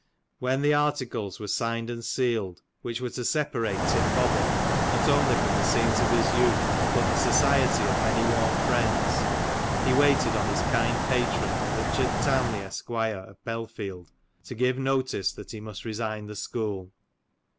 When the articles were signed and sealed, which were to separate Tim Bobbin, not only from the scenes of his youth, but the society of many warm friends, he waited on his kind patron Eichard Townley, Esq., of Belfield, to give notice that he must resign the school.